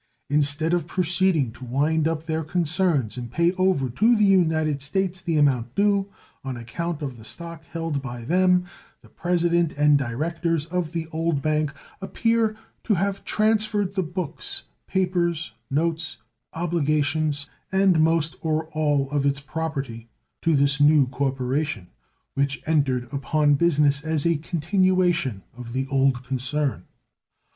Instead of proceeding to wind up their concerns and pay over to the United States the amount due on account of the stock held by them, the president and directors of the old bank appear to have transferred the books, papers, notes, obligations, and most or all of its property to this new corporation, which entered upon business as a continuation of the old concern.